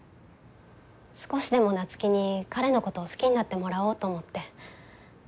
少しでも夏樹に彼のことを好きになってもらおうと思って。